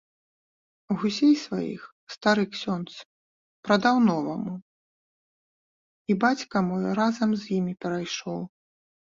Гусей сваіх стары ксёндз прадаў новаму, і бацька мой разам з імі перайшоў.